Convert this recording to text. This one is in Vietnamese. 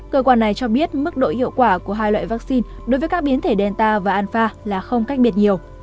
cơ quan này cho biết mức độ hiệu quả của hai loại vaccine đối với các biến thể delta và alpha là không cách biệt nhiều